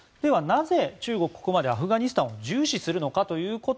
なぜ、中国はここまでアフガニスタンを重視するのか。